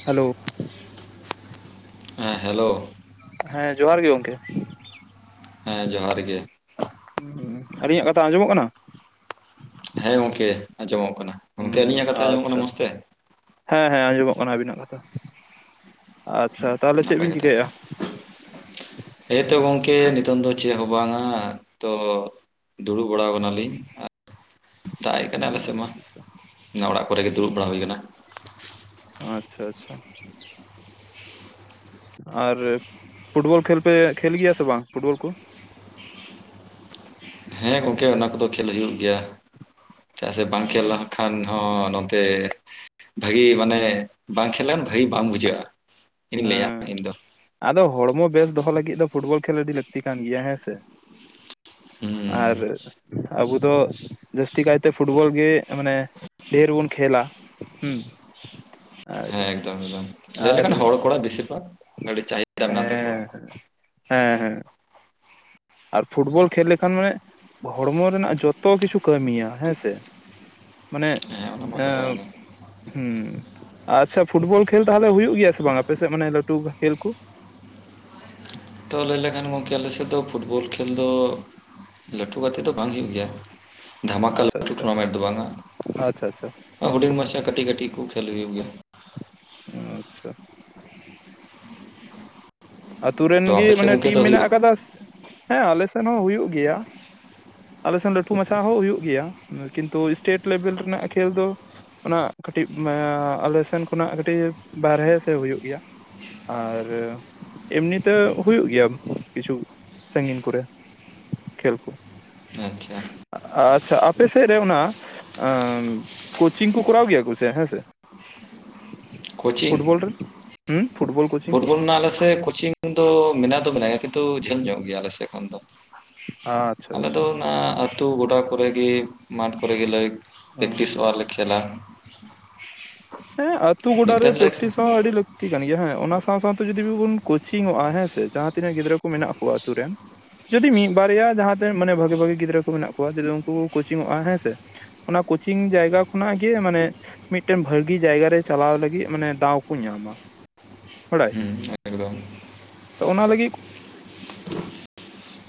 [inaudible] Hello. ᱦᱮᱸ hello. ᱦᱮᱸ ᱡᱚᱦᱟᱨ ᱜᱮ ᱜᱚᱢᱠᱮ ᱾ ᱦᱮᱸ ᱡᱚᱦᱟᱨ ᱜᱮ ᱾ ᱟᱹᱞᱤᱧ ᱟᱜ ᱠᱟᱛᱷᱟ ᱟᱸᱡᱚᱢᱚᱜ ᱠᱟᱱᱟ? ᱦᱮᱸ ᱜᱚᱝᱠᱮ ᱟᱸᱡᱚᱢᱚᱜ ᱠᱟᱱᱟ᱾ ᱜᱚᱝᱠᱮ ᱦᱩᱸ ᱟᱹᱞᱤᱧᱟᱜ ᱠᱟᱛᱷᱟ ᱟᱸᱡᱚᱢᱚᱜ ᱟᱪᱪᱷᱟ ᱠᱟᱱᱟ ᱢᱚᱥᱛᱮ? ᱦᱮᱸ ᱦᱮᱸ ᱟᱸᱡᱚᱢᱚᱜ ᱠᱟᱱᱟ ᱟᱹᱵᱤᱱᱟᱜ ᱠᱟᱛᱷᱟ ᱟᱪᱪᱷᱟ ᱛᱟᱦᱞᱮ ᱪᱮᱫ ᱱᱟᱯᱟᱭ ᱵᱤᱱ ᱠᱟᱛᱷᱟ ᱪᱤᱠᱟᱹᱭᱮᱜ-ᱟ? [inaudible] ᱦᱮᱸᱛᱚ ᱜᱚᱝᱠᱮ ᱱᱤᱛᱚᱝ ᱫᱚ ᱪᱮᱫ ᱦᱚᱸ ᱵᱟᱝᱟ ᱛᱚ ᱫᱩᱲᱩᱵ ᱵᱟᱲᱟ ᱠᱟᱱᱟ ᱞᱤᱧ ᱫᱟᱜᱮᱡ ᱠᱟᱱᱟ ᱟᱞᱮ ᱥᱮᱫ ᱢᱟ ᱟᱪᱪᱷᱟ ᱟᱪᱪᱷᱟ ᱚᱱᱟ ᱚᱲᱟᱜ ᱠᱚᱨᱮ ᱜᱮ ᱫᱩᱲᱩᱵ ᱵᱟᱲᱟ ᱦᱩᱭ ᱠᱟᱱᱟ᱾ ᱟᱪᱪᱷᱟ ᱟᱪᱪᱷᱟ ᱟᱨ ᱯᱷᱩᱴᱵᱚᱞ ᱠᱷᱹᱮᱞ ᱯᱮ ᱠᱷᱮᱞ ᱜᱮᱭᱟ ᱥᱮ ᱵᱟᱝ ᱯᱷᱩᱴᱵᱚᱞ ᱠᱚ? ᱦᱮᱸ ᱜᱚᱝᱠᱮ ᱚᱱᱟ ᱠᱚᱫᱚ ᱠᱷᱮᱞ ᱦᱩᱭᱩᱜ ᱜᱮᱭᱟ᱾ ᱪᱟᱜ ᱥᱮ ᱵᱟᱝ ᱠᱷᱮᱞ ᱞᱮᱱᱠᱷᱟᱱ ᱦᱚᱸ ᱱᱚᱱᱛᱮ ᱵᱷᱟᱜᱤ ᱢᱟᱱᱮ ᱵᱟᱝ ᱠᱷᱮᱞᱮᱱ ᱵᱷᱟᱹᱜᱤ ᱵᱟᱝ ᱵᱩᱡᱷᱟᱹᱜᱼᱟ᱾ ᱤᱧ ᱞᱟᱹᱭᱟ ᱦᱮᱸ ᱤᱧ ᱫᱚ ᱟᱫᱚ ᱦᱚᱲᱢᱚ ᱵᱮᱥ ᱫᱚᱦᱚ ᱞᱟᱹᱜᱤᱫ ᱫᱚ ᱯᱷᱩᱴᱵᱚᱞ ᱠᱷᱮᱞ ᱟᱹᱰᱤ ᱞᱟᱹᱠᱛᱤ ᱠᱟᱱ ᱜᱮᱭᱟ ᱦᱮᱸ ᱥᱮ ᱦᱩᱸ ᱟᱨ ᱟᱵᱚ ᱡᱟᱹᱥᱛᱤ ᱠᱟᱭᱛᱮ ᱯᱷᱩᱴᱵᱚᱞ ᱜᱮ ᱢᱟᱱᱮ ᱰᱮᱨ ᱵᱚᱱ ᱠᱷᱮᱞᱟ ᱦᱩᱸ ᱟᱨ ᱦᱮᱸ ᱮᱠᱫᱚᱢ ᱮᱠᱫᱚᱢ ᱞᱟᱹᱭ ᱟᱨ ᱞᱮᱠᱷᱟᱱ ᱦᱚᱲ ᱠᱚᱲᱟ ᱵᱤᱥᱤᱨ ᱵᱷᱟᱜᱽ ᱟᱹᱰᱤ ᱪᱟᱹᱟᱦᱤᱫᱟ ᱢᱮᱱᱟᱜ ᱛᱟᱠᱚᱣᱟ ᱦᱮᱸ ᱦᱮᱸ ᱦᱮᱸ ᱟᱨ ᱯᱷᱩᱴᱵᱚᱞ ᱠᱷᱮᱞ ᱞᱮᱠᱷᱟᱱ ᱢᱟᱱᱮ ᱦᱚᱲᱢᱚ ᱨᱮᱱᱟᱜ ᱡᱚᱛᱚ ᱠᱤᱪᱷᱩ ᱠᱟᱹᱢᱤᱭᱟ ᱦᱮᱸ ᱥᱮ ᱢᱟᱱᱮ ᱦᱮᱸ ᱚᱱᱟ ᱢᱟ ᱠᱟᱛᱷᱟ ᱮᱣ ᱠᱟᱱᱟ ᱦᱩᱸ ᱟᱪᱪᱷᱟ ᱯᱷᱩᱴᱵᱚᱞ ᱠᱷᱮᱞ ᱛᱟᱦᱚᱞᱮ ᱦᱩᱭᱩᱜ ᱜᱮᱭᱟ ᱥᱮ ᱵᱟᱝ ᱟᱯᱮᱥᱮᱫ ᱢᱟᱱᱮ ᱞᱟᱹᱴᱩ ᱠᱷᱮᱞ ᱠᱩ? ᱛᱚ ᱞᱟᱹᱭ ᱞᱮᱠᱷᱟᱱ ᱜᱚᱝᱠᱮ ᱟᱞᱮᱥᱮᱫ ᱫᱚ ᱯᱷᱩᱴᱵᱚᱞ ᱠᱷᱮᱞ ᱫᱚ ᱞᱟᱹᱴᱩ ᱜᱟᱛᱮᱜ ᱫᱚ ᱵᱟᱝ ᱦᱩᱭᱩᱜ ᱜᱮᱭᱟ ᱫᱷᱟᱢᱟᱠᱟ [inaudible] ᱟᱪᱪᱷᱟ ᱞᱟᱹᱴᱩ ᱟᱪᱪᱷᱟ ᱴᱩᱨᱱᱟᱢᱮᱱᱴ ᱫᱚ ᱵᱟᱝᱼᱟ᱾ ᱟᱪᱪᱷᱟ ᱟᱪᱪᱷᱟ ᱦᱩᱰᱤᱧ ᱢᱟᱪᱷᱟ ᱠᱟᱹᱴᱤᱡ ᱠᱟᱹᱴᱤᱡ ᱠᱚ ᱠᱷᱮᱞ ᱦᱩᱭᱩᱜ ᱜᱮᱭᱟ ᱟᱪᱪᱷᱟ ᱟᱛᱩ ᱨᱮᱱ ᱛᱚ ᱜᱮ ᱟᱯᱮ ᱥᱮᱫ ᱢᱟᱱᱮ ᱜᱚᱝᱠᱮ ᱴᱤᱢ ᱫᱚ ᱢᱮᱱᱟᱜ ᱦᱩᱭᱩᱜ ᱟᱠᱟᱫᱟ ᱦᱮᱸ ᱟᱞᱮ ᱥᱮᱫ ᱦᱚᱸ ᱦᱩᱭᱩᱜ ᱜᱮᱭᱟ ᱟᱞᱮ ᱥᱮᱱ ᱞᱟᱹᱴᱩ ᱢᱟᱪᱷᱟ ᱦᱚᱸ ᱦᱩᱭᱩᱜ ᱜᱮᱭᱟ ᱠᱤᱱᱛᱩ ᱥᱴᱮᱴ ᱞᱮᱵᱮᱞ ᱨᱮᱱᱟᱜ ᱠᱷᱮᱞ ᱫᱚ ᱚᱱᱟ ᱠᱟᱹᱴᱤᱡ ᱟᱞᱮ ᱥᱮᱱ ᱠᱷᱚᱱᱟᱜ ᱠᱟᱹᱴᱤᱡ ᱵᱟᱦᱨᱮ ᱥᱮ ᱦᱩᱭᱩᱜ ᱜᱮᱭᱟ ᱟᱨ ᱮᱢᱱᱤ ᱛᱮ ᱦᱩᱭᱩᱜ ᱜᱮᱭᱟ ᱠᱤᱪᱷᱩ ᱥᱟᱺᱜᱤᱧ ᱠᱚᱨᱮ ᱠᱷᱮᱞ ᱠᱚ ᱟᱪᱪᱷᱟ ᱟᱪᱪᱷᱟ ᱟᱯᱮ ᱥᱮᱫ ᱨᱮ ᱚᱱᱟ ᱟ ᱠᱳᱪᱤᱝ ᱠᱚ ᱠᱚᱨᱟᱣ ᱜᱮᱭᱟ ᱠᱚᱥᱮ ᱦᱮᱸ ᱥᱮ ᱠᱳᱪᱤᱝ ᱯᱷᱩᱴᱵᱚᱞ ᱦᱩ ᱯᱷᱩᱴᱵᱚᱞ ᱠᱚᱪ ᱯᱷᱩᱴᱵᱚᱞ ᱨᱮᱱᱟᱜ ᱟᱞᱮ ᱥᱮᱫ ᱠᱳᱪᱤᱝ ᱫᱚ ᱢᱮᱱᱟᱜ ᱫᱚ ᱢᱮᱱᱟᱜ ᱜᱮᱭᱟ ᱠᱤᱱᱛᱩ ᱡᱷᱟᱹᱞ ᱧᱚᱜ ᱜᱮᱭᱟ ᱟᱞᱮ ᱥᱮᱫ ᱠᱷᱚᱱ ᱫᱚ᱾ ᱟᱪᱪᱷᱟ ᱟᱞᱮ ᱫᱚ ᱟᱪᱪᱷᱟ ᱚᱱᱟ ᱟᱛᱩ ᱜᱚᱰᱟ ᱠᱚᱨᱮ ᱜᱮ ᱢᱟᱴᱷ ᱠᱚᱨᱮ ᱜᱮᱞᱮ ᱦᱮᱸ ᱯᱮᱠᱴᱤᱥᱚᱜᱼᱟ ᱞᱮ ᱠᱷᱮᱞᱟ ᱦᱮ ᱟᱛᱩ ᱜᱚᱰᱟ ᱢᱤᱫ ᱨᱮ ᱜᱷᱟᱹᱲᱤᱡ ᱞᱮ ᱯᱮᱠᱴᱤᱥ ᱦᱚᱸ ᱟᱹᱰᱤ ᱞᱟᱹᱠ ᱛᱤ ᱠᱟᱱ ᱜᱮᱭᱟ ᱦᱮᱸ ᱚᱱᱟ ᱥᱟᱶᱛᱮ ᱡᱩᱫᱤᱵᱚᱱ ᱠᱳᱪᱤᱝ ᱚᱜᱼᱟ ᱦᱮᱸ ᱥᱮ ᱡᱟᱦᱟᱸ ᱛᱤᱱᱟᱹᱜ ᱜᱤᱫᱽᱨᱟᱹ ᱠᱚ ᱢᱮᱱᱟᱜ ᱠᱚᱣᱟ ᱟᱛᱳ ᱨᱮᱱ ᱡᱩᱚᱫᱤ ᱢᱤᱫ ᱵᱟᱨᱭᱟ ᱡᱟᱦᱟᱸ ᱛᱤᱱᱟᱜ ᱢᱟᱱᱮ ᱵᱷᱟᱜᱤ ᱵᱷᱟᱜᱤ ᱜᱤᱫᱽᱨᱟᱹ ᱠᱚ ᱢᱮᱱᱟᱜ ᱠᱚᱣᱟ ᱡᱤᱫᱤ ᱩᱱᱠᱩ ᱠᱚ ᱠᱳᱪᱤᱝᱚᱜᱼᱟ ᱦᱮᱸ ᱥᱮ ᱚᱱᱟ ᱠᱳᱪᱤᱝ ᱡᱟᱭᱜᱟ ᱠᱷᱚᱱᱟᱜ ᱜᱮ ᱢᱟᱱᱮ ᱢᱤᱫᱴᱮᱱ ᱵᱷᱟᱜᱤ ᱡᱟᱭᱜᱟ ᱨᱮ ᱪᱟᱞᱟᱣ ᱞᱟᱹᱜᱤᱫ ᱢᱟᱱᱮ ᱫᱟᱣ ᱠᱚ ᱧᱟᱢᱟ ᱵᱟᱲᱟᱭ ᱦᱩᱸ ᱮᱠᱫᱚᱢ ᱛᱚ ᱚᱱᱟ ᱞᱟᱹᱜᱤᱫ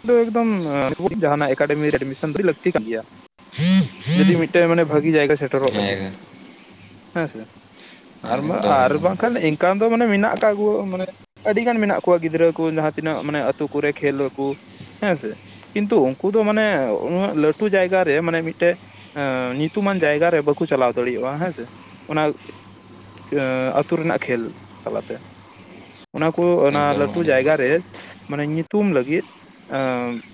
ᱫᱚ ᱮᱠᱫᱚᱢ [inaudible] ᱮᱠᱟᱰᱮᱢ ᱨᱮ ᱮᱰᱢᱤᱥᱮᱱ ᱫᱚ ᱟᱰᱤ ᱞᱟᱹᱠᱛᱤ ᱠᱟᱱ ᱜᱮᱭᱟ ᱡᱩᱫᱤ ᱢᱤᱫᱴᱮᱱ ᱢᱟᱱᱮ ᱵᱷᱟᱜᱤ ᱡᱟᱭᱜᱟ ᱥᱮᱴᱮᱨᱚᱜ ᱦᱮᱸ ᱞᱟᱹᱜᱤᱫ ᱮᱠᱫᱚᱢ ᱦᱮᱸᱥᱮ ᱟᱨᱢᱟ ᱮᱠᱫᱚᱢ ᱟᱨ ᱮᱠᱫᱚᱢ ᱵᱟᱝᱠᱷᱟᱱ ᱮᱱᱠᱟᱱ ᱫᱚ ᱢᱟᱱᱮ ᱢᱮᱱᱟᱜ ᱟᱠᱟᱜ ᱠᱚ ᱢᱟᱱᱮ ᱟᱹᱰᱤᱜᱟᱱ ᱢᱮᱱᱟᱜ ᱠᱚᱣᱟ ᱜᱤᱫᱽᱨᱟᱹ ᱠᱩ ᱡᱟᱦᱟᱸ ᱛᱤᱱᱟᱹᱜ ᱢᱟᱱᱮ ᱟᱹᱛᱩ ᱠᱚᱨᱮ ᱠᱷᱮᱞ ᱟᱠᱩ ᱾ ᱦᱮᱸᱥᱮ ᱠᱤᱱᱛᱩ ᱩᱱᱠᱩ ᱫᱚ ᱢᱟᱱᱮ ᱩᱱᱟᱹᱜ ᱞᱟᱹᱴᱩ ᱡᱟᱭᱜᱟ ᱨᱮ ᱢᱟᱱᱮ ᱢᱤᱫᱴᱮᱡ ᱮ ᱧᱩᱛᱩᱢᱟᱱ ᱡᱟᱭᱜᱟᱨᱮ ᱵᱟᱠᱩ ᱪᱟᱞᱟᱣ ᱫᱟᱲᱮᱭᱟᱜᱼᱟ ᱦᱮᱸᱥᱮ ᱚᱱᱟ ᱾ [inaudible] ᱟᱹᱛᱩ ᱨᱮᱱᱟᱜ ᱠᱷᱮᱞ ᱛᱟᱞᱟᱛᱮ ᱾ ᱚᱱᱟ ᱠᱚ ᱚᱱᱟ ᱮᱠᱫᱚᱢ ᱞᱟᱹᱴᱩ ᱟᱹᱰᱤ ᱡᱟᱭᱜᱟ ᱨᱮ ᱢᱟᱱᱮ ᱧᱩᱛᱩᱢ ᱞᱟᱹᱜᱤᱫ ᱾ [inaudible]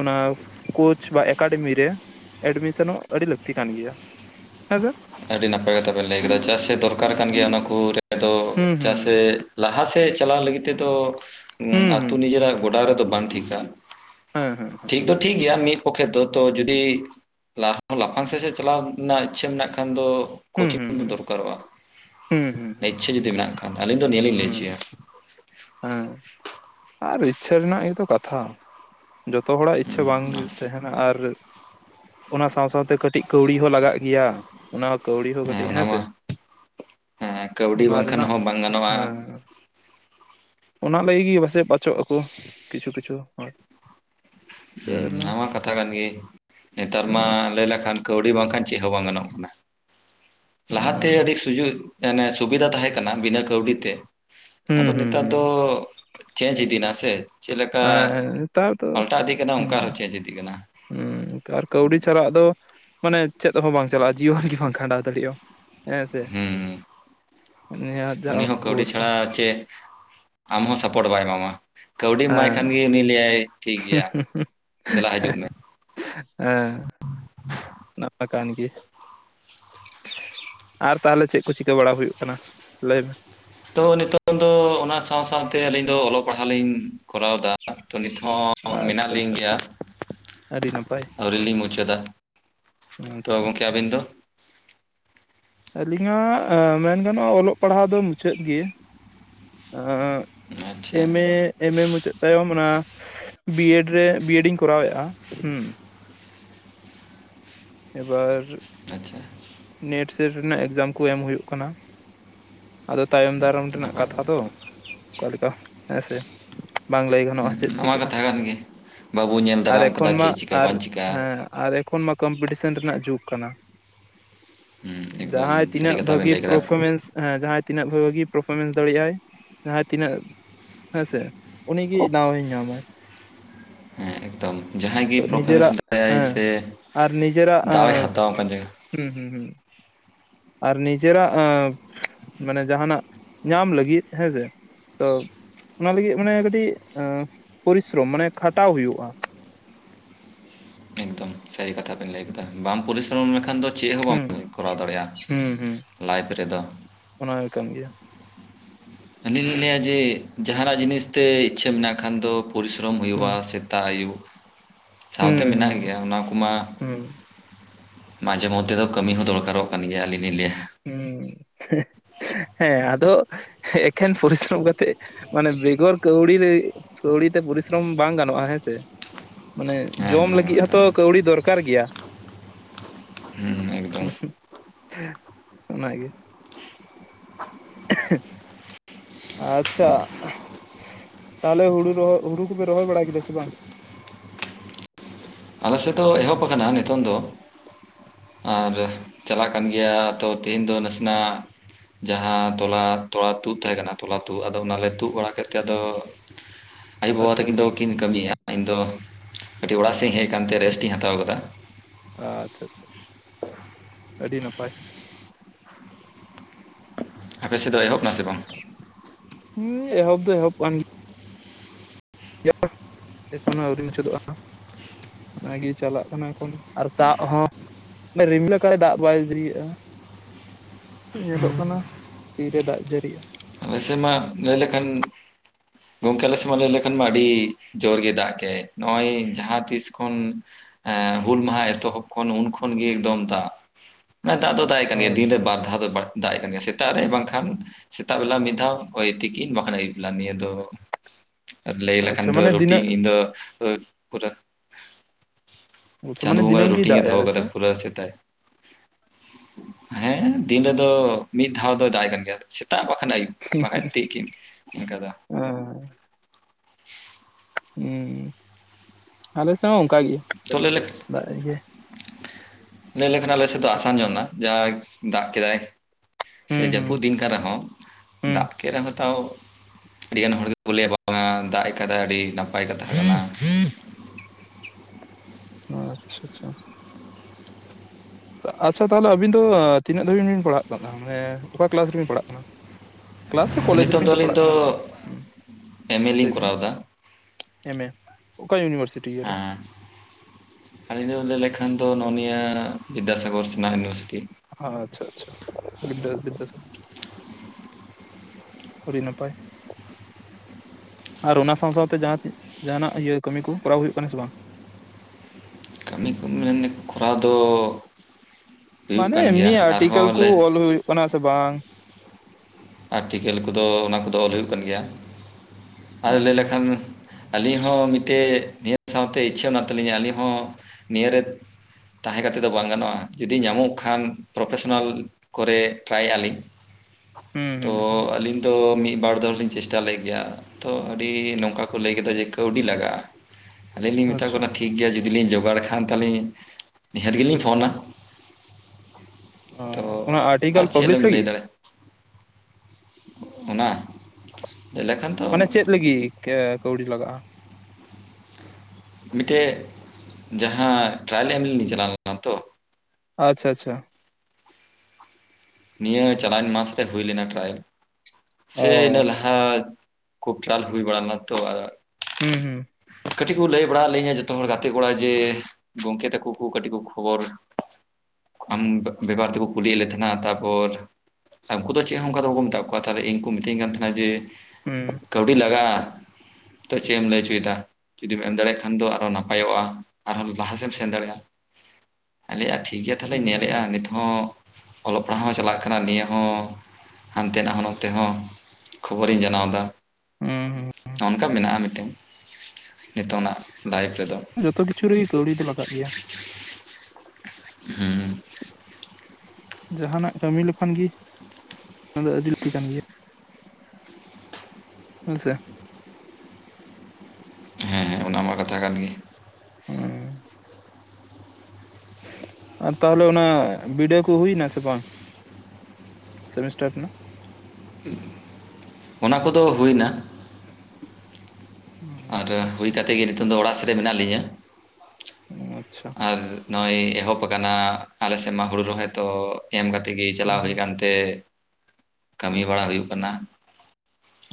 ᱚᱱᱟ ᱠᱳᱪ ᱵᱟ ᱮᱠᱟᱰᱮᱢᱤ ᱨᱮ ᱮᱰᱢᱤᱥᱚᱱᱚᱜ ᱟᱹᱰᱤ ᱞᱟᱹᱠᱛᱤ ᱠᱟᱱ ᱜᱮᱭᱟ ᱾ ᱦᱮᱸ ᱥᱮ? ᱟᱹᱰᱤ ᱱᱟᱯᱟᱭ ᱠᱟᱛᱷᱟ ᱵᱮᱱ ᱞᱟᱹᱭ ᱠᱮᱫᱟ ᱪᱟᱥᱮᱜ ᱫᱚᱨᱠᱟᱨ ᱠᱟᱱ ᱜᱮᱭᱟ ᱚᱱᱟ ᱠᱚᱫᱚ ᱨᱮᱫᱚ ᱦᱩᱸ ᱦᱩᱸ ᱪᱟᱥ ᱛᱮᱜ ᱞᱟᱦᱟᱥᱮᱜ ᱪᱟᱞᱟᱣ ᱞᱟᱹᱜᱤᱫ ᱛᱮᱫᱚ ᱦᱩᱸ ᱦᱩᱸ ᱟᱹᱛᱩ ᱱᱤᱡᱮᱨᱟᱜ ᱜᱚᱰᱟ ᱨᱮᱫᱚ ᱵᱟᱝ ᱴᱷᱤᱠ ᱾ [inaudible] ᱦᱮᱸ ᱦᱩᱸ ᱦᱩᱸ, ᱴᱷᱤᱠ ᱫᱚ ᱴᱷᱤᱠ ᱜᱮᱭᱟ ᱢᱤᱫ ᱯᱚᱠᱠᱷᱮ ᱫᱚ ᱛᱚ ᱡᱩᱫᱤ ᱞᱟᱜ ᱞᱟᱯᱷᱟᱝ ᱥᱮ ᱥᱮᱪᱮᱫ ᱪᱟᱞᱟᱣ ᱱᱟᱜ ᱤᱪᱪᱷᱟ. ᱢᱮᱱᱟᱜ ᱠᱷᱟᱱ ᱫᱚ ᱦᱩᱸ ᱠᱳᱪᱤᱝ ᱦᱩᱸ ᱫᱚ ᱦᱩᱸ ᱫᱚᱨᱠᱟᱨᱚᱜᱼᱟ ᱦᱩᱸ ᱦᱩᱸ ᱤᱪᱪᱷᱟᱹ ᱡᱩᱫᱤ ᱢᱮᱱᱟᱜ ᱠᱷᱟ ᱠᱷᱟᱱ ᱟᱹᱞᱤᱧ ᱫᱚ ᱱᱤᱭᱟᱹ ᱞᱤᱧ ᱞᱟᱹᱭ ᱦᱩᱸ ᱪᱚᱭᱟ ᱾ ᱦᱮᱸ ᱟᱨ ᱤᱪᱪᱷᱟᱹ ᱨᱮᱱᱟᱜ ᱜᱮᱛᱚ ᱠᱟᱛᱷᱟ. ᱾ ᱡᱚᱛᱚ ᱦᱚᱲᱟᱜ ᱤᱪᱪᱷᱟᱹ ᱵᱟᱝ ᱛᱟᱦᱮᱱᱟ ᱟᱨ ᱚᱱᱟ ᱥᱟᱶ ᱥᱟᱶᱛᱮ ᱠᱟᱹᱴᱤᱡ ᱠᱟᱹᱣᱨᱤ ᱦᱚᱸ ᱞᱟᱜᱟᱜ ᱜᱮᱭᱟ ᱾ ᱚᱱᱟ ᱠᱟᱹᱣᱨᱤ ᱦᱚᱸ ᱦᱮᱸ ᱠᱟᱹᱴᱤᱡ ᱚᱱᱟ ᱦᱮᱸᱥᱮ ᱢᱟ ᱦᱮᱸ ᱠᱟᱹᱣᱰᱤ ᱚᱱᱟ ᱵᱟᱝᱠᱷᱟᱱ ᱨᱮᱱᱟᱜ ᱦᱚᱸ ᱵᱟᱝ ᱜᱟᱱᱚᱜᱼᱟ ᱦᱮᱸ ᱾ ᱚᱱᱟ ᱞᱟᱹᱜᱤᱫ ᱜᱮ ᱯᱟᱥᱮᱡ ᱵᱟᱪᱚᱜ ᱟᱠᱚ ᱠᱤᱪᱷᱩ ᱠᱤᱪᱷᱩ ᱾ ᱦᱩᱸ ᱱᱚᱣᱟ ᱢᱟ ᱠᱟᱛᱷᱟ ᱠᱟᱱ ᱜᱤ ᱱᱮᱛᱟᱨ ᱢᱟ ᱞᱟᱹᱭ ᱞᱮᱠᱷᱟᱱ ᱠᱟᱹᱣᱰᱤ ᱵᱟᱝᱠᱷᱟᱱ ᱪᱮᱜ ᱦᱚᱸ ᱵᱟᱝ ᱜᱟᱱᱚᱜ ᱠᱟᱱᱟ ᱾ ᱞᱟᱦᱟᱛᱮ ᱟᱹᱰᱤ ᱥᱩᱡᱩᱜ ᱛᱮᱱᱮ ᱥᱩᱵᱤᱫᱷᱟ ᱛᱟᱦᱮᱸ ᱠᱟᱱᱟ ᱵᱤᱱᱟᱹ ᱠᱟᱹᱣᱰᱤ ᱛᱮ ᱟᱫᱚ ᱦᱩᱸ ᱱᱤᱛ ᱱᱮᱛᱟᱨ ᱦᱩᱸ ᱫᱚ ᱪᱮᱱᱪ ᱤᱫᱤ ᱱᱟ ᱥᱮ ᱾ ᱪᱮᱜ ᱞᱮᱠᱟ ᱦᱮᱸ ᱱᱮᱛᱟᱨ ᱫᱚ ᱯᱟᱞᱴᱟ ᱤᱫᱤᱜ ᱠᱟᱱᱟ ᱚᱱᱠᱟ ᱦᱚᱸ ᱦᱩᱸ ᱪᱮᱱᱪ ᱤᱫᱤᱜ ᱠᱟᱱᱟ ᱾ ᱦᱩᱸ ᱟᱨ ᱠᱟᱹᱣᱰᱤ ᱪᱟᱞᱟᱜ ᱫᱚ ᱢᱟᱱᱮ ᱪᱮᱫ ᱦᱚᱸ ᱵᱟᱝ ᱪᱟᱞᱟᱜᱼᱟ ᱡᱤᱭᱚᱱ ᱜᱮ ᱵᱟᱝ ᱠᱷᱟᱸᱰᱟᱣ ᱫᱟᱲᱮᱭᱟᱜᱼᱟᱢ ᱾ ᱦᱮᱸ ᱥᱮ ᱦᱩᱸ ᱱᱤᱭᱟ ᱩᱱᱤ ᱡᱟ ᱦᱚᱸ ᱠᱟᱹᱣᱰᱤ ᱚᱵᱚᱥᱛᱷᱟ ᱪᱷᱟᱲᱟ ᱾ ᱪᱮᱫ ᱟᱢ ᱦᱚᱸ ᱥᱟᱯᱳᱴ ᱵᱟᱭ ᱮᱢᱟᱢᱟ ᱾ ᱠᱟᱹᱣᱰᱤ ᱮᱢᱟᱭ ᱦᱮᱸ ᱠᱷᱟᱱ ᱜᱤ ᱩᱱᱤ ᱞᱟᱹᱭᱟᱭ ᱴᱷᱤᱠ ᱜᱮᱭᱟ ᱫᱮᱞᱟ ᱦᱤᱡᱩᱜ ᱢᱮ ᱾ [inaudible] ᱱᱟᱯᱟ ᱠᱟᱱ ᱜᱤ ᱾ [inaudible] ᱟᱨ ᱛᱟᱦᱟᱞᱮ ᱪᱮᱜ ᱠᱚ ᱪᱤᱠᱟᱹ ᱵᱟᱲᱟ ᱦᱩᱭᱩᱜ ᱠᱟᱱᱟ ᱞᱟᱹᱭ ᱢᱮ ᱾ ᱛᱚ ᱱᱤᱛᱚᱝ ᱫᱚ ᱚᱱᱟ ᱥᱟᱶ ᱥᱟᱶᱛᱮ ᱟᱹᱞᱤᱧ ᱫᱚ ᱚᱞᱚᱜ ᱯᱟᱲᱦᱟᱣ ᱞᱤᱧ ᱾ ᱠᱚᱨᱟᱣᱫᱟ ᱛᱚ ᱱᱤᱛ ᱦᱚᱸ ᱢᱮᱱᱟᱜ ᱟᱪᱪᱷᱟ ᱞᱤᱧ ᱟᱪᱪᱷᱟ ᱜᱮᱭᱟ ᱟᱹᱰᱤ ᱱᱟᱯᱟᱭ ᱾ ᱟ. ᱣᱨᱤ ᱞᱤᱧ ᱢᱩᱪᱟ. ᱫ ᱫᱟ ᱛᱚ ᱟᱪᱪᱷᱟ ᱜᱚᱝᱠᱮ ᱟ. ᱵᱤᱱ ᱫᱚ? ᱟᱹᱞᱤᱧᱟᱜ ᱟᱸ ᱢᱮᱱ ᱜᱟᱱᱚᱜᱼᱟ ᱚᱞᱚᱜ ᱯᱟᱲᱦᱟᱣ ᱫᱚ ᱢᱩᱪᱟᱹᱫ ᱜᱤ [inaudible] ᱟᱪᱪᱷᱟ ᱮ ᱢᱮ ᱮ ᱢᱮ ᱢᱩᱪᱟᱹᱫ ᱛᱟᱭᱚᱢ ᱚᱱᱟ [inaudible] ᱵᱤᱭᱮᱰ ᱨᱮ ᱵᱤᱭᱮᱰ ᱤᱧ ᱠᱚᱨᱟᱣᱮᱜᱼᱟ ᱦᱩᱸ ᱾ ᱮᱵᱟᱨ ᱟᱪᱪᱷᱟ, ᱱᱮᱴ ᱥᱮᱴ ᱨᱮᱱᱟᱜ ᱮᱠᱡᱟᱢ ᱠᱚ ᱮᱢ ᱦᱩᱭᱩᱜ ᱠᱟᱱᱟ ᱾ ᱟᱫᱚ ᱛᱟᱭᱚᱢ ᱫᱟᱨᱟᱢ ᱨᱮᱱᱟᱜ ᱠᱟᱛᱷᱟ ᱛᱚ ᱚᱠᱟᱞᱮᱠᱟ ᱾ ᱦᱮᱸ ᱥᱮ ᱵᱟᱝ ᱞᱟᱹᱭ ᱜᱟᱱᱚᱜᱼᱟ ᱦᱩᱸ ᱪᱮᱜ ᱱᱚᱣᱟ ᱪᱤᱠᱟᱹᱜᱼᱟ ᱠᱟᱛᱷᱟ ᱾ ᱠᱟᱱ ᱜᱮ ᱵᱟᱵᱚ ᱧᱮᱞ ᱟᱨ ᱫᱟᱨᱟᱢ ᱠᱟᱫᱟ ᱮᱠᱷᱚᱱ ᱢᱟ ᱪᱮᱫ ᱪᱤᱠᱟᱹ ᱟᱨ ᱵᱟᱝ ᱪᱤᱠᱟᱹᱜᱼᱟ ᱦᱮᱸ ᱟᱨ ᱮᱠᱷᱚᱱ ᱢᱟ ᱠᱚᱢᱯᱤᱴᱤᱥᱮᱱ ᱨᱮᱱᱟᱜ ᱡᱩᱠ ᱠᱟᱱᱟ ᱦᱩᱸ ᱾ ᱮᱠᱫᱚᱢ ᱡᱟᱦᱟᱸᱭ ᱥᱟᱹᱨᱤ ᱛᱤᱱᱟᱹᱜ ᱠᱟᱛᱷᱟ ᱵᱮᱱ ᱵᱷᱟᱹᱜᱤ ᱞᱟᱹᱭ ᱠᱮᱫᱟ ᱯᱨᱚᱯᱷᱚᱢᱮᱱᱥ ᱦᱮᱸ ᱡᱟᱦᱟᱸᱭ ᱛᱤᱱᱟᱹᱜ ᱵᱷᱟᱹᱜᱤ ᱯᱟᱨᱯᱷᱚᱨᱢᱮᱱᱥ ᱫᱟᱲᱮᱭᱟᱜᱼ ᱟᱭ ᱡᱟᱦᱟᱸ ᱛᱤᱱᱟᱹᱜ ᱦᱮᱸ ᱥᱮ ᱩᱱᱤᱜᱮ ᱫᱟᱣᱮ ᱧᱟᱢᱟᱭ ᱾ ᱦᱮᱸ ᱮᱠᱫᱚᱢ ᱡᱟᱦᱟᱸᱭ ᱜᱮ ᱛᱚ ᱯᱨᱟᱨᱯᱷᱚᱨᱢᱮᱱᱥ ᱫᱟᱲᱮᱭᱟᱜᱟᱭ ᱥᱮ ᱡᱮᱨ ᱫᱟᱣᱮ ᱟᱨ ᱦᱟᱛᱟᱣᱟ ᱚᱱᱠᱟᱱ ᱡᱟᱭᱜᱟ ᱦᱩᱸ ᱦᱩᱸ ᱦᱩᱸ ᱟᱨ ᱱᱤᱡᱮᱨᱟᱜ ᱟᱸᱻ ᱢᱟᱱᱮ ᱡᱟᱦᱟᱸᱱᱟᱜ ᱧᱟᱢ ᱞᱟᱹᱜᱤᱫ ᱦᱮᱸᱥᱮ ᱛᱚ ᱚᱱᱟ ᱞᱟᱹᱜᱤᱫ ᱢᱟᱱᱮ ᱠᱟᱹᱴᱤᱡ ᱯᱚᱨᱤᱥᱨᱚᱢ ᱢᱟᱱᱮ ᱠᱷᱟᱴᱟᱣ ᱦᱩᱭᱩᱜᱼᱟ ᱾ ᱮᱠᱫᱚᱢ ᱥᱟᱹᱨᱤ ᱠᱟᱛᱷᱟ ᱵᱤᱱ ᱞᱟᱹᱭ ᱠᱮᱫᱟ ᱵᱟᱢ ᱯᱚᱨᱤᱥᱨᱚᱢ ᱞᱮᱠᱷᱟᱱ ᱫᱚ ᱪᱮᱫ ᱦᱚᱸ ᱵᱟᱢ ᱦᱩᱸ ᱠᱚᱨᱟᱣ ᱫᱟᱲᱮᱭᱟᱜᱼᱟ ᱦᱩᱸ ᱦᱩᱸ ᱞᱟᱭᱤᱯᱷ ᱨᱮᱫᱚ ᱾ ᱚᱱᱟ ᱠᱟᱱ ᱜᱮᱭᱟ ᱟᱹᱞᱤᱧ ᱞᱤᱧ ᱞᱟᱹᱭᱟ ᱡᱮ ᱡᱟᱦᱟᱸᱱᱟᱜ ᱡᱤᱱᱤᱥ ᱛᱮ ᱤᱪᱪᱷᱟᱹ ᱢᱮᱱᱟᱜ ᱠᱷᱟᱱ ᱫᱚ ᱯᱚᱨᱤᱥᱨᱚᱢ ᱦᱩᱭᱩᱜᱼᱟ ᱦᱩᱸ ᱥᱮᱛᱟᱜ ᱟᱹᱭᱩᱵ ᱥᱟᱶᱛᱮ ᱦᱩᱸ ᱢᱮᱱᱟᱜ ᱦᱩᱸ ᱜᱮ ᱚᱱᱟ ᱠᱚᱢᱟ ᱦᱩᱸ ᱢᱟᱡᱷᱮ ᱢᱚᱫᱽᱫᱷᱮ ᱫᱚ ᱠᱟᱹᱢᱤ ᱦᱚᱸ ᱫᱚᱨᱠᱟᱨᱚᱜ ᱠᱟᱱ ᱜᱮᱭᱟ ᱟᱹᱞᱤᱧ ᱞᱤᱧ ᱞᱟᱹᱭᱟ ᱾ ᱦᱩᱸ ᱦᱮᱸ ᱟᱫᱚ ᱮᱠᱷᱮᱱ ᱯᱚᱨᱤᱥᱨᱚᱢ ᱠᱟᱛᱮᱜ ᱢᱟᱱᱮ ᱵᱮᱜᱚᱨ ᱠᱟᱹᱣᱲᱤ ᱨᱮ ᱠᱟᱹᱣᱰᱤ ᱛᱮ ᱯᱚᱨᱤᱥᱨᱚᱢ ᱵᱟᱝ ᱜᱟᱱᱚᱜᱼᱟ ᱦᱮᱸ ᱥᱮ ᱾ ᱢᱟᱱᱮ ᱦᱮᱸ ᱡᱚᱢ ᱚᱱᱟ ᱢᱟ ᱞᱟᱹᱜᱤᱫ ᱠᱟᱛᱷᱟ ᱦᱚᱸᱛᱚ ᱠᱟᱹᱣᱰᱤ ᱫᱚᱨᱠᱟᱨ ᱜᱮᱭᱟ ᱾ ᱦᱮᱸ ᱮᱠᱫᱚᱢ ᱾ ᱦᱮᱸ ᱚᱱᱟ ᱜᱮ ᱾ ᱟᱪᱪᱷᱟ ᱛᱟᱦᱚᱞᱮ ᱦᱳᱲᱳ ᱨᱚᱦᱚ ᱦᱳᱲᱳ ᱠᱚᱯᱮ ᱨᱚᱦᱚᱭ ᱵᱟᱲᱟ ᱠᱮᱫᱟ ᱥᱮ ᱵᱟᱝ? ᱟᱞᱮ ᱥᱮᱫ ᱫᱚ ᱮᱦᱚᱵ ᱟᱠᱟᱱᱟ ᱱᱤᱛᱚᱝ ᱫᱚ ᱾ ᱟᱨ ᱪᱟᱞᱟᱜ ᱠᱟᱱ ᱜᱮᱭᱟ ᱛᱚ ᱛᱮᱦᱮᱧ ᱫᱚ ᱱᱟᱥᱮᱱᱟᱜ ᱡᱟᱦᱟᱸ ᱛᱚᱞᱟ ᱛᱚᱞᱟ ᱛᱩᱫ ᱛᱟᱦᱮᱸ ᱠᱟᱱᱟ ᱛᱚᱞᱟ ᱛᱩᱫ ᱟᱫᱚ ᱚᱱᱟᱞᱮ ᱛᱩᱫ ᱵᱟᱲᱟ ᱠᱮᱫ ᱛᱮ ᱟᱫᱚ [inaudible] ᱟᱭᱳ ᱵᱟᱵᱟ ᱛᱟᱹᱠᱤᱱ ᱟᱪᱪᱷᱟ ᱫᱚᱠᱤᱱ ᱠᱟᱹᱢᱤᱭᱟ ᱤᱧ ᱫᱚ ᱠᱟᱹᱴᱤᱡ ᱚᱲᱟᱜ ᱥᱮᱫ ᱟᱪᱪᱷᱟ ᱤᱧ ᱦᱮᱡ ᱟᱠᱟᱱ ᱛᱮ ᱨᱮᱥᱴ ᱤᱧ ᱦᱟᱛᱟᱣ ᱟᱠᱟᱫᱟ ᱾ ᱟᱪᱪᱷᱟ ᱟᱪᱪᱷᱟ ᱟᱹᱰᱤ ᱱᱟᱯᱟᱭ ᱾ ᱟᱯᱮ ᱥᱮᱫ ᱫᱚ ᱮᱦᱚᱵ ᱮᱱᱟ ᱥᱮ ᱵᱟᱝ? ᱦᱩᱸ ᱮᱦᱚᱵ ᱫᱚ ᱮᱦᱚᱵ ᱠᱟᱱ ᱟᱨ ᱮᱠᱷᱚᱱᱚ ᱟᱹᱣᱨᱤ ᱢᱩᱪᱟᱹᱫᱚᱜᱼᱟ ᱛᱚ ᱾ ᱚᱱᱟ ᱜᱮ ᱪᱟᱞᱟᱜ ᱠᱟᱱᱟ ᱮᱠᱷᱚᱱ ᱟᱨ ᱫᱟᱜ ᱦᱚᱸ ᱢᱟᱱᱮ ᱨᱤᱢᱤᱞ ᱟᱠᱟᱜᱼᱟᱭ ᱫᱟᱜ ᱵᱟᱭ ᱡᱟᱹᱲᱤᱭᱮᱫᱼᱟ ᱾ ᱧᱮᱞᱚᱜ ᱠᱟᱱᱟ ᱛᱤᱨᱮ ᱫᱟᱜ ᱡᱟᱹᱲᱤᱭᱮᱜᱼᱟ ᱣᱮᱭᱥᱮ ᱢᱟ ᱞᱟᱹᱭ ᱞᱮᱠᱷᱟᱱ ᱜᱚᱝᱠᱮ ᱟᱞᱮ ᱢᱟ ᱞᱟᱹᱭ ᱞᱮᱠᱷᱟᱱ ᱢᱟ ᱟᱹᱰᱤ ᱡᱳᱨ ᱜᱮ ᱫᱟᱜ ᱠᱮᱜᱟᱭ ᱱᱚᱜᱼᱚᱭ ᱡᱟᱦᱟᱸ ᱛᱤᱥ ᱠᱷᱚᱱ ᱮ ᱦᱩᱞ ᱢᱟᱦᱟᱸ ᱮᱛᱚᱦᱚᱵ ᱠᱷᱚᱱ ᱩᱱ ᱠᱷᱚᱱ ᱜᱮ ᱮᱠᱫᱚᱢ ᱫᱟᱜ ᱾ ᱢᱟᱱᱮ ᱫᱟᱜ ᱫᱚ ᱫᱟᱜᱮᱜ ᱠᱟᱱ ᱦᱳᱭ ᱜᱮᱭᱟ ᱫᱤᱱᱨᱮ ᱵᱟᱨ ᱫᱷᱟᱣ ᱫᱚ ᱫᱟᱜ ᱮᱫ ᱠᱟᱱ ᱜᱮᱭᱟ ᱥᱮᱛᱟᱜ ᱨᱮ ᱵᱟᱝᱠᱷᱟᱱ ᱥᱮᱛᱟᱜ ᱵᱮᱞᱟ ᱢᱤᱫ ᱫᱷᱟᱣ ᱳᱭ ᱛᱤᱠᱤᱱ ᱵᱟᱠᱷᱟᱱ ᱟᱹᱭᱩᱵ ᱵᱮᱞᱟ ᱱᱤᱭᱟᱹ ᱫᱚ ᱞᱟᱹᱭ ᱞᱮᱠᱷᱟᱱ ᱟᱪᱪᱷᱟ ᱫᱚ ᱢᱟᱱᱮ ᱫᱤᱱᱟᱹᱢ ᱨᱩᱴᱤᱱ ᱫᱚ ᱯᱩᱨᱟᱹ ᱟᱪᱪᱷᱟ ᱪᱟᱸᱫᱚ ᱢᱟᱱᱮ ᱵᱚᱸᱜᱟ ᱫᱤᱱᱟᱹᱢ ᱜᱮᱭ ᱨᱩᱴᱤᱱ ᱮ ᱫᱟᱜ ᱫᱚᱦᱚ ᱮᱜᱼᱟ ᱥᱮ ᱟᱠᱟᱫᱟ ᱯᱩᱨᱟᱹ ᱥᱮᱛᱟᱜ ᱦᱮᱸ ᱫᱤᱱ ᱨᱮᱫᱚ ᱢᱤᱫ ᱫᱷᱟᱣ ᱫᱚᱭ ᱫᱟᱜ ᱮᱫ ᱜᱮᱭᱟ ᱥᱮᱛᱟᱜ ᱵᱟᱠᱷᱟᱱ ᱟᱹᱭᱩᱵ ᱾ ᱵᱟᱠᱷᱟᱡ ᱛᱤᱠᱤᱱ ᱢᱮᱱᱠᱷᱟᱡ ᱫᱚ ᱾ ᱚᱸᱻ ᱦᱮᱸ ᱟᱞᱮᱥᱮᱫ ᱦᱚᱸ ᱚᱱᱠᱟ ᱜᱮ ᱛᱚ ᱞᱟᱹᱭ ᱞᱮᱠᱷᱟᱱ ᱫᱟᱜ ᱮᱫ ᱜᱮᱭᱟᱭ ᱾ ᱞᱟᱹᱭ ᱞᱮᱠᱷᱟᱱ ᱟᱞᱮ ᱥᱮᱫ ᱫᱚ ᱟᱥᱟᱱ ᱧᱚᱜ ᱮᱱᱟ ᱡᱟᱭ ᱫᱟᱜ ᱠᱮᱫᱟᱭ ᱾ ᱥᱮ ᱦᱩᱸ ᱦᱩᱸ ᱡᱟᱹᱯᱩᱫ ᱫᱤᱱ ᱠᱟᱱ ᱨᱮᱦᱚᱸ ᱦᱩᱸ ᱫᱟᱜ ᱠᱮᱫ ᱨᱮᱦᱚᱸ ᱛᱟᱣ ᱟᱹᱰᱤ ᱜᱟᱱ ᱦᱚᱲ ᱜᱮᱠᱚ ᱞᱟᱹᱭᱟ ᱵᱟᱝᱟ ᱫᱟᱜ ᱟᱠᱟᱫᱟᱭ ᱟᱹᱰᱤ ᱱᱟᱯᱟᱭ ᱠᱟᱛᱷᱟ ᱠᱟᱱᱟ ᱾ ᱟᱪᱪᱷᱟ ᱪᱷᱟ᱾ ᱟᱪᱪᱷᱟ ᱛᱟᱦᱚᱞᱮ ᱟᱹᱵᱤᱱ ᱫᱚ ᱛᱤᱱᱟᱹᱜ ᱫᱷᱟᱹᱵᱤᱡ ᱵᱤᱱ ᱯᱟᱲᱦᱟᱜ ᱠᱟᱱᱟ ᱢᱟᱱᱮ ᱚᱠᱟ ᱠᱞᱟᱥ ᱨᱮᱵᱤᱱ ᱯᱟᱲᱦᱟᱜ ᱠᱟᱱᱟ? ᱠᱮᱞᱟᱥ ᱥᱮ ᱠᱚᱞᱮᱡᱽ ᱱᱤᱛᱚᱝ ᱨᱮᱵᱤᱱ ᱫᱚ ᱟᱹᱞᱤᱧ ᱯᱟᱲᱦᱟᱜ ᱫᱚ ᱠᱟᱱᱟ ᱯᱟᱥᱮ ᱦᱮᱸ ᱮᱢ ᱮ ᱞᱤᱧ ᱞᱟᱹᱭ ᱵᱤᱱ᱾ ᱠᱚᱨᱟᱣ ᱮᱫᱟ ᱮᱢᱮ ᱾ ᱚᱠᱟ ᱤᱭᱩᱱᱤᱵᱟᱨᱥᱤᱴᱤ ᱤᱭᱟᱹ ᱨᱮ? ᱦᱮᱸ ᱟᱹᱞᱤᱧ ᱫᱚ ᱞᱟᱹᱭ ᱞᱮᱠᱷᱟᱱ ᱫᱚ ᱱᱚᱜ ᱱᱤᱭᱟᱹ ᱵᱤᱫᱽᱫᱟᱥᱟᱜᱚᱨ ᱥᱮᱱᱟᱜ ᱤᱭᱩᱱᱤᱵᱷᱟᱨᱥᱤᱴᱤ ᱾ ᱟᱪᱪᱷᱟ, ᱟᱪᱪᱷᱟ [unintelligible] ᱟᱹᱰᱤ ᱱᱟᱯᱟᱭ᱾ ᱟᱨ ᱚᱱᱟ ᱥᱟᱶ ᱥᱟᱶᱛᱮ ᱡᱟᱦᱟᱸ ᱡᱟᱦᱟᱸᱱᱟᱜ ᱤᱭᱟᱹ ᱠᱟᱹᱢᱤ ᱠᱚ ᱠᱚᱨᱟᱣ ᱦᱩᱭᱩᱜ ᱠᱟᱱᱟ ᱥᱮ ᱵᱟᱝ? ᱠᱟᱹᱢᱤ ᱠᱚ ᱢᱮᱱ ᱠᱚᱨᱟᱣ ᱫᱚ ᱦᱩᱭᱩᱜ ᱢᱟᱱᱮ ᱠᱟᱱ ᱜᱮᱭᱟ ᱮᱢᱱᱤ ᱟᱨᱴᱤᱠᱮᱞ ᱟᱨᱦᱚᱸ ᱠᱚ ᱞᱮ ᱚᱞ ᱦᱩᱭᱩᱜ ᱠᱟᱱᱟ ᱥᱮ ᱵᱟᱝ? ᱟᱨᱴᱤᱠᱮᱞ ᱠᱚᱫᱚ ᱚᱱᱟ ᱠᱚᱫᱚ ᱚᱞ ᱦᱩᱭᱩᱜ ᱠᱟᱱ ᱜᱮᱭᱟ, ᱟᱨ ᱦᱩᱸ ᱞᱟᱹᱭ ᱦᱩᱸ ᱞᱮᱠᱷᱟᱱ ᱟᱹᱞᱤᱧ ᱦᱚᱸ ᱢᱤᱫᱴᱮᱱ ᱱᱤᱭᱟᱹ ᱥᱟᱶᱛᱮ ᱤᱪᱪᱷᱟᱹ ᱢᱮᱱᱟᱜ ᱛᱟᱞᱤᱧᱟ ᱟᱹᱞᱤᱧ ᱦᱚᱸ ᱱᱤᱭᱟᱹ ᱨᱮ ᱛᱟᱦᱮᱸ ᱠᱟᱛᱮᱫ ᱫᱚ ᱵᱟᱝ ᱜᱟᱱᱚᱜᱼᱟ ᱡᱩᱫᱤ ᱧᱟᱢᱚᱜ ᱠᱷᱟᱱ ᱯᱨᱚᱯᱷᱮᱥᱚᱱᱟᱞ ᱠᱚᱨᱮ ᱴᱨᱟᱭ ᱮᱜ-ᱟ ᱞᱤᱧ ᱾ ᱦᱩᱸ ᱛᱚ ᱦᱩᱸ ᱦᱩᱸ ᱟᱹᱞᱤᱧ ᱛᱚ ᱢᱤᱫ ᱵᱟᱨ ᱫᱚ ᱞᱤᱧ ᱪᱮᱥᱴᱟ ᱞᱮᱫ ᱜᱮᱭᱟ ᱛᱚ ᱟᱹᱰᱤ ᱱᱚᱝᱠᱟ ᱠᱚ ᱞᱟᱹᱭ ᱠᱮᱫᱟ ᱡᱮ ᱠᱟᱹᱣᱰᱤ ᱞᱟᱜᱟᱜᱼᱟ᱾ ᱟᱹᱞᱤᱧ ᱞᱤᱧ ᱢᱮᱛᱟ ᱟᱪᱪᱷᱟ ᱠᱚ ᱠᱟᱱᱟ ᱴᱷᱤᱠ ᱜᱮᱭᱟ ᱡᱩᱫᱤ ᱞᱤᱧ ᱡᱳᱜᱟᱲ ᱠᱷᱟᱱ ᱛᱟᱦᱚᱞᱮ ᱱᱤᱦᱟᱹᱛ ᱜᱮᱞᱤᱧ ᱯᱷᱳᱱᱟ ᱾ ᱚ ᱛᱚ ᱚᱱᱟ ᱟᱨ ᱟᱨᱴᱤᱠᱮᱞ ᱪᱮᱫ ᱯᱟᱵᱽᱞᱤᱥ ᱮᱢ ᱞᱟᱹᱭ ᱞᱟᱹᱜᱤᱫ ᱫᱟᱲᱮᱭᱟᱜᱼᱟ᱾ ᱚᱱᱟ ᱞᱟᱹᱭ ᱞᱮᱠᱷᱟᱱ ᱛᱚ ᱢᱟᱱᱮ ᱪᱮᱫ ᱞᱟᱹᱜᱤᱫ ᱠᱟᱹᱣᱰᱤ ᱞᱟᱜᱟᱜᱼᱟ? ᱢᱤᱫᱴᱮᱡ ᱡᱟᱦᱟᱸ ᱴᱨᱟᱭᱮᱞ ᱮᱢ ᱞᱤᱧ ᱪᱟᱞᱟᱣ ᱞᱮᱱᱟ ᱛᱚ ᱟᱪᱪᱷᱟ, ᱟᱪᱪᱷᱟ᱾ ᱱᱤᱭᱟᱹ ᱪᱟᱞᱟᱣᱮᱱ ᱢᱟᱥ ᱨᱮ ᱦᱩᱭ ᱞᱮᱱᱟ ᱴᱨᱟᱭᱮᱞ ᱚ ᱥᱮ [unintelligible] ᱠᱷᱩᱵᱽ ᱴᱨᱟᱭᱟᱞ ᱦᱩᱭ ᱵᱟᱲᱟ ᱞᱮᱱᱟ ᱛᱚ ᱦᱩᱸ, ᱦᱩᱸ᱾ ᱠᱟᱹᱴᱤᱡ ᱠᱚ ᱞᱟᱹᱭ ᱵᱟᱲᱟᱫ ᱞᱤᱧᱟᱹ ᱡᱚᱛᱚ ᱦᱚᱲ ᱜᱟᱛᱮ ᱠᱚᱲᱟ ᱡᱮ ᱜᱚᱝᱠᱮ ᱛᱟᱠᱚ ᱠᱚ ᱠᱟᱹᱴᱤᱡ ᱠᱚ ᱠᱷᱚᱵᱚᱨ ᱟᱢ ᱵᱮᱯᱟᱨ ᱛᱮᱠᱚ ᱠᱩᱞᱤᱭᱮᱫ ᱞᱮ ᱛᱟᱦᱮᱸᱱᱟ ᱛᱟᱨ ᱼᱯᱚᱨ ᱩᱱᱠᱩ ᱫᱚ ᱪᱮᱫ ᱦᱚᱸ ᱚᱱᱠᱟ ᱫᱚ ᱵᱟᱠᱚ ᱢᱮᱛᱟᱜ ᱠᱚᱣᱟ ᱛᱟᱦᱞᱮ ᱤᱧ ᱠᱚ ᱢᱤᱛᱟᱹᱧ ᱠᱟᱱ ᱛᱟᱦᱮᱸᱱᱟ ᱡᱮ ᱦᱩᱸ᱾ ᱠᱟᱣᱲᱤ ᱞᱟᱜᱟᱼᱟ ᱛᱚ ᱮᱢ ᱞᱟᱹᱭ ᱪᱩᱭᱫᱟ ᱾ ᱡᱩᱫᱤᱢ ᱮᱢ ᱫᱟᱲᱮᱭᱟᱜ ᱠᱷᱟᱱ ᱫᱚ ᱟᱨ ᱱᱟᱯᱟᱭᱚᱜᱼᱟ ᱟᱨᱦᱚᱸ ᱞᱟᱦᱟ ᱥᱮᱫ ᱮᱢ ᱥᱮᱱ ᱫᱟᱲᱮᱭᱟᱜᱼᱟ ᱟᱞᱮᱭᱟᱜ ᱴᱷ ᱴᱷᱤᱠ ᱜᱮᱭᱟ ᱛᱟᱦᱞᱮᱧ ᱦᱩᱸ ᱧᱮᱞᱮᱫᱼᱟ ᱱᱤᱛ ᱦᱚᱸ ᱚᱞᱚᱜ ᱯᱟᱲᱦᱟᱣ ᱦᱚᱸ ᱪᱟᱞᱟᱜ ᱠᱟᱱᱟ ᱱᱤᱭᱟᱹ ᱦᱚᱸ ᱦᱟᱱᱛᱮ ᱱᱟᱜ ᱦᱚ ᱱᱚᱱᱛᱮ ᱦᱚᱸ ᱠᱷᱚᱵᱚᱨᱤᱧ ᱡᱟᱱᱟᱣ ᱫᱟ ᱾ ᱦᱩᱸ ᱦᱩᱸ ᱚᱱᱠᱟ ᱢᱮᱱᱟᱜᱼᱟ ᱢᱤᱫᱴᱮᱝ ᱱᱤᱛᱚᱜᱼᱱᱟᱜ ᱞᱟᱭᱤᱯᱷ ᱨᱮᱫᱚ᱾ ᱡᱚᱛᱚ ᱠᱤᱪᱷᱩ ᱨᱮᱜᱮ ᱠᱟᱹᱣᱰᱤ ᱫᱚ ᱞᱟᱜᱟᱜ ᱜᱮᱭᱟ ᱾ ᱦᱩᱸᱻ ᱡᱟᱦᱟᱸᱱᱟᱜ ᱠᱟᱹᱢᱤ ᱞᱮᱠᱷᱟᱱ ᱜᱤ ᱚᱱᱟ ᱫᱚ ᱟᱹᱰᱤ ᱞᱟᱹᱠᱛᱤ ᱠᱟᱱ ᱜᱮᱭᱟ ᱾ ᱦᱮᱸ ᱥᱮ᱾ ᱦᱮᱸ ᱚᱱᱟ ᱢᱟ ᱠᱟᱛᱷᱟ ᱠᱟᱱ ᱜᱮ ᱾ [unintelligible] ᱟᱨ ᱛᱟᱦᱚᱞᱮ ᱚᱱᱟ ᱵᱤᱰᱟᱹᱣ ᱠᱚ ᱦᱩᱭᱮᱱᱟ ᱥᱮ ᱵᱟᱝ ᱥᱮᱢᱤᱥᱴᱟᱨ ᱨᱮᱱᱟᱜ? ᱚᱱᱟ ᱠᱚᱫᱚ ᱦᱩᱭᱱᱟ ᱾ ᱚ, ᱟᱨ ᱟᱪᱪᱷᱟ ᱦᱩᱭ ᱟᱪᱪᱷᱟ ᱠᱟᱛᱮᱜ ᱜᱮ ᱱᱤᱛᱚᱝ ᱫᱚ ᱚᱲᱟᱜ ᱥᱮᱫ ᱨᱮ ᱢᱮᱱᱟᱜ ᱞᱤᱧᱟᱹ ᱾ ᱟᱪᱪᱷᱟ᱾ ᱟᱨ ᱱᱚᱜᱼᱚᱭ ᱮᱦᱚᱵ ᱟᱠᱟᱱᱟ ᱟᱞᱮ ᱥᱮᱫ ᱢᱟ ᱦᱩᱲᱩ ᱨᱚᱦᱚᱭ ᱛᱚ ᱮᱢ ᱠᱟᱛᱮ ᱜᱮ ᱦᱩᱸ ᱪᱟᱞᱟᱣ ᱦᱩᱭ ᱠᱟᱱ ᱛᱮ ᱠᱟᱹᱢᱤ ᱵᱟᱲᱟ ᱦᱩᱭᱩᱜ ᱠᱟᱱᱟ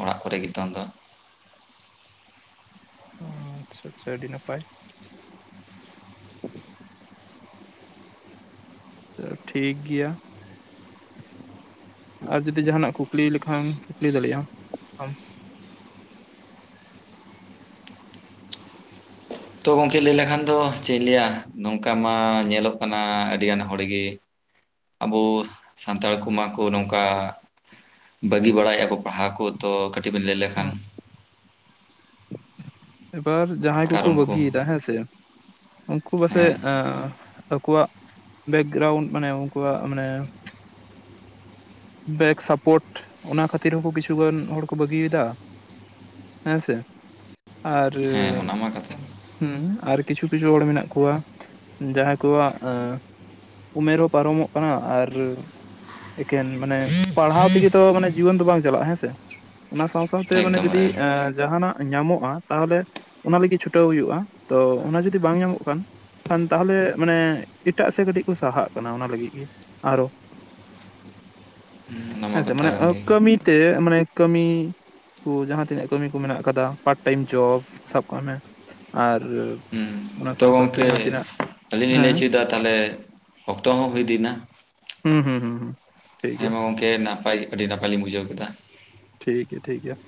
ᱚᱲᱟᱜ ᱠᱚᱨᱮ ᱜᱮ ᱱᱤᱛᱚᱝ ᱫᱚ᱾ ᱟᱪᱪᱷᱟ ᱟᱪᱪᱷᱟ ᱟᱹᱰᱤ ᱱᱟᱯᱟᱭ ᱾ ᱛᱚ ᱴᱷᱤᱠ ᱜᱮᱭᱟ ᱾ ᱟᱨ ᱡᱩᱫᱤ ᱡᱟᱦᱟᱸᱱᱟᱜ ᱠᱩᱠᱞᱤ ᱞᱮᱠᱷᱟᱱ ᱠᱩᱠᱞᱤ ᱫᱟᱲᱮᱭᱟᱜᱼᱟ ᱟᱢ ᱾ ᱛᱚ ᱜᱚᱢᱠᱮ ᱞᱟᱹᱭ ᱞᱮᱠᱷᱟᱱ ᱫᱚ ᱪᱮᱫ ᱤᱧ ᱞᱟᱹᱭᱟ ᱱᱚᱝᱠᱟ ᱢᱟ ᱧᱮᱞᱚᱜ ᱠᱟᱱᱟ ᱟᱹᱰᱤᱜᱟᱱ ᱦᱚᱲ ᱜᱮ᱾ ᱟᱵᱚ ᱥᱟᱱᱛᱟᱲ ᱠᱚᱢᱟ ᱠᱚ ᱱᱚᱝᱠᱟ ᱵᱟᱹᱜᱤ ᱵᱟᱲᱟᱭᱮᱫᱼᱟ ᱠᱚ ᱯᱟᱲᱦᱟᱣ ᱠᱚ ᱛᱚ ᱠᱟᱹᱴᱤᱡ ᱵᱮᱱ ᱞᱟᱹᱭ ᱞᱮᱠᱷᱟᱱ᱾ ᱟᱢ ᱮᱵᱟᱨ ᱡᱟᱦᱟᱸᱭ ᱠᱚᱠᱚ ᱠᱟᱨᱚᱱ ᱠᱚ ᱵᱟᱹᱜᱤᱭᱮᱫᱟ ᱦᱮᱸ ᱥᱮ ᱩᱱᱠᱩ ᱯᱟᱥᱮᱡ ᱦᱮᱸ ᱟᱹ ᱩᱱᱠᱩᱣᱟᱜ ᱵᱮᱠᱜᱨᱟᱣᱩᱱᱰ ᱢᱟᱱᱮ ᱩᱱᱠᱩᱣᱟᱜ ᱢᱟᱱᱮ ᱵᱮᱠ ᱥᱟᱯᱳᱨᱴ ᱚᱱᱟ ᱠᱷᱟᱹᱛᱤᱨ ᱦᱚᱸᱠᱚ ᱠᱤᱪᱷᱩᱜᱟᱱ ᱦᱚᱲᱠᱚ ᱵᱟᱹᱜᱤᱭᱮᱫᱟ ᱾ ᱦᱮᱸ ᱥᱮ ᱟᱨ ᱦᱮᱸ ᱚᱱᱟ ᱢᱟ ᱠᱟᱛᱷᱟ ᱦᱩᱸ ᱟᱨ ᱠᱤᱪᱷᱩ-ᱠᱤᱪᱷᱩ ᱦᱚᱲ ᱢᱮᱱᱟᱜ ᱠᱚᱣᱟ ᱡᱟᱦᱟᱸᱭ ᱠᱚᱣᱟᱜ ᱚᱻ ᱩᱢᱮᱨ ᱦᱚᱸ ᱯᱟᱨᱚᱢᱚᱜ ᱠᱟᱱᱟ, ᱟᱨ ᱮᱠᱮᱱ ᱢᱟᱱᱮ ᱯᱟᱲᱦᱟᱣ ᱛᱮᱜᱮ ᱛᱚ ᱢᱟᱱᱮ ᱡᱤᱭᱚᱱ ᱫᱚ ᱵᱟᱝ ᱪᱟᱞᱟᱜᱼᱟ, ᱦᱮᱸᱥᱮ? ᱚᱱᱟ ᱥᱟᱶ ᱥᱟᱶᱛᱮ ᱢᱟᱱᱮ ᱮᱠᱫᱚᱢ ᱡᱩᱫᱤ ᱮ- ᱮᱻ ᱡᱟᱦᱟᱸᱱᱟᱜ ᱧᱟᱢᱚᱜᱼᱟ ᱛᱟᱦᱚᱞᱮ ᱚᱱᱟ ᱞᱟᱹᱜᱤᱫ ᱪᱷᱩᱴᱟᱹᱣ ᱦᱩᱭᱩᱜᱼᱟ ᱛᱚ ᱚᱱᱟ ᱡᱩᱫᱤ ᱵᱟᱝ ᱧᱟᱢᱚᱜ ᱠᱷᱟᱱ᱾ ᱠᱷᱟᱱ ᱛᱟᱦᱚᱞᱮ ᱢᱟᱱᱮ ᱮᱴᱟᱜ ᱥᱮᱫ ᱠᱟᱹᱴᱤᱡ ᱠᱚ ᱥᱟᱦᱟᱜ ᱠᱟᱱᱟ ᱚᱱᱟ ᱞᱟᱹᱜᱤᱫ ᱜᱮ, ᱟᱨᱚ ᱦᱩᱸ, ᱚᱱᱟ ᱢᱟ ᱦᱮᱸᱥᱮ ᱠᱟᱛᱷᱟ ᱢᱟᱱᱮ ᱠᱟᱱ [unintelligible] ᱜᱮ ᱠᱟᱹᱢᱤᱛᱮ ᱢᱟᱱᱮ ᱠᱟᱹᱢᱤ᱾ ᱠᱚ ᱡᱟᱦᱟᱸ ᱛᱤᱱᱟᱹᱜ ᱠᱟᱹᱢᱤ ᱠᱚ ᱢᱮᱱᱟᱜ ᱠᱟᱫᱟ ᱯᱟᱨᱴ ᱴᱟᱭᱤᱢ ᱡᱚᱵᱽ ᱥᱟᱵ ᱠᱟᱜ ᱢᱮ᱾ ᱟᱨ ᱦᱩᱸ ᱚᱱᱟ ᱛᱚ ᱥᱟᱶ ᱥᱟᱶᱛᱮ ᱜᱚᱢᱠᱮ ᱡᱟᱦᱟᱸ ᱛᱤᱱᱟᱹᱜ ᱟᱹᱞᱤᱧ ᱞᱤᱧ ᱞᱟᱹᱭ ᱦᱮᱸ ᱚᱪᱚᱭᱮᱫᱟ ᱛᱟᱦᱚᱞᱮ ᱚᱠᱛᱚ ᱦᱚᱸ ᱦᱩᱭ ᱤᱫᱤᱱᱟ ᱾ ᱦᱩᱸ ᱦᱩᱸ ᱦᱩᱸ ᱦᱩᱸ ᱦᱮᱸᱢᱟ ᱜᱚᱝᱠᱮ ᱱᱟᱯᱟᱭ ᱟᱹᱰᱤ ᱱᱟᱯᱟᱭ ᱞᱤᱧ ᱵᱩᱡᱷᱟᱹᱣ ᱠᱮᱫᱟ ᱾ ᱴᱷᱤᱠ ᱜᱮᱭᱟ ᱴᱷᱤᱠ ᱜᱮᱭᱟ ᱾